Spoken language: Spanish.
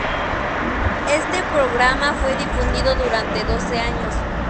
Este programa fue difundido durante doce años.